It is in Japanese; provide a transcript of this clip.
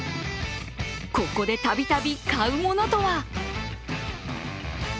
ここでたびたび買うものとは？